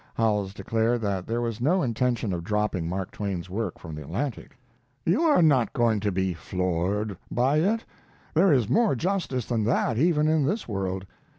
Howells declared that there was no intention of dropping Mark Twain's work from the Atlantic. You are not going to be floored by it; there is more justice than that even in this world.